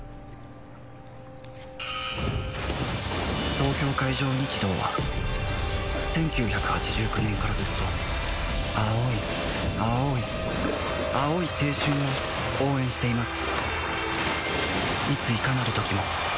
東京海上日動は１９８９年からずっと青い青い青い青春を応援しています